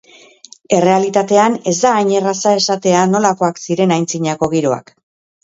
Errealitatean ez da hain erraza esatea nolakoak ziren antzinako giroak.